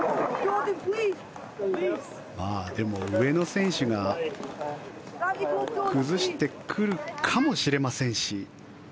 でも、上の選手が崩してくるかもしれませんし。